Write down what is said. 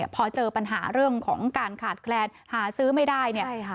พอเจอปัญหาเรื่องของการขาดแคลนหาซื้อไม่ได้เนี่ย